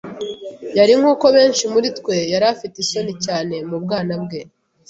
Yari, nkuko benshi muri twe yari afite isoni cyane mu bwana bwe.